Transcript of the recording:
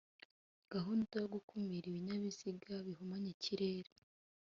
gahunda yo gukumira ibinyabiziga bihumanya ikirere